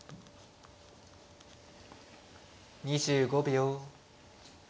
２５秒。